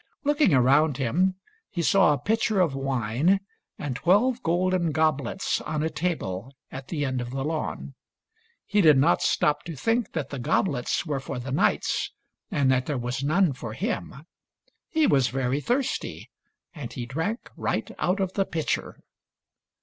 Looking around him, he saw a pitcher of wine and twelve golden goblets on a table at the end of the lawn. He did not stop to think that the goblets were for the knights and that there was none for him ; he was very thirsty, and he drank right out of the pitcher.